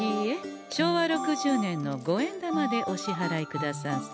昭和６０年の五円玉でお支払いくださんせ。